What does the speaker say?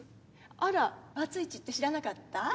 あらバツイチって知らなかった？